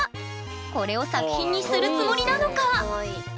これを作品にするつもりなのか？